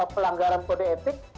pelanggaran kode etik